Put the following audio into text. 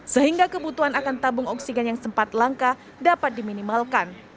sehingga kebutuhan akan tabung oksigen yang sempat langka dapat diminimalkan